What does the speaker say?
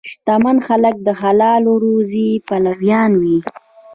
شتمن خلک د حلال روزي پلویان وي.